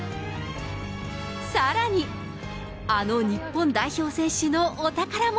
さらに、あの日本代表選手のお宝も。